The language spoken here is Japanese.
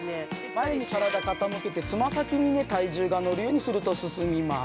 ◆前に体を傾けて、爪先にね体重が乗るようにすると進みます。